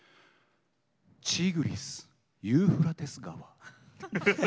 チグリスユーフラテス川。